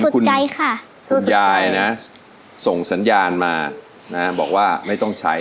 คุณยายค่ะคุณยายนะส่งสัญญาณมานะบอกว่าไม่ต้องใช้